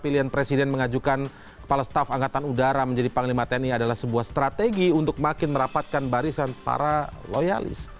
pilihan presiden mengajukan kepala staf angkatan udara menjadi panglima tni adalah sebuah strategi untuk makin merapatkan barisan para loyalis